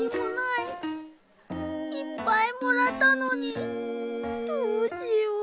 いっぱいもらったのにどうしよう。